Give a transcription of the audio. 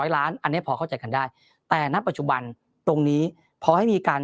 ล้านอันนี้พอเข้าใจกันได้แต่ณปัจจุบันตรงนี้พอให้มีการ